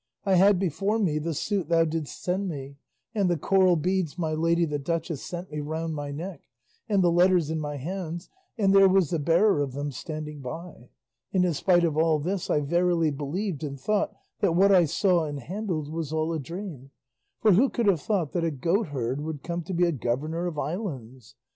I had before me the suit thou didst send me, and the coral beads my lady the duchess sent me round my neck, and the letters in my hands, and there was the bearer of them standing by, and in spite of all this I verily believed and thought that what I saw and handled was all a dream; for who could have thought that a goatherd would come to be a governor of islands?